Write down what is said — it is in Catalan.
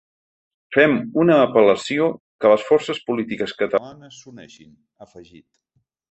Fem una apel·lació que les forces polítiques catalanes s’uneixin, ha afegit.